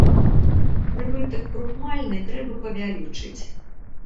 Прыбытак крухмальні трэба павялічыць.